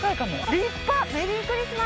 立派！